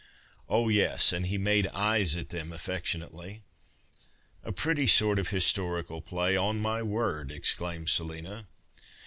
Oh, yes, and he made eyes at them affectionately." " A pretty sort of historical play, on my word !" exclaimed Selina.